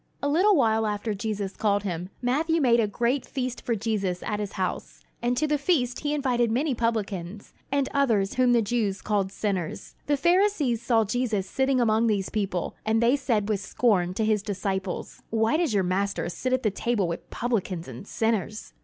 A little while after Jesus called him, Matthew made a great feast for Jesus at his house; and to the feast he invited many publicans, and others whom the Jews called sinners. The Pharisees saw Jesus sitting among these people, and they said with scorn to his disciples: "Why does your Master sit at the table with publicans and sinners?"